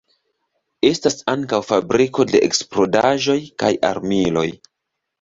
Estas ankaŭ fabriko de eksplodaĵoj kaj armiloj.